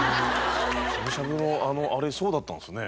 しゃぶしゃぶのあれそうだったんですね。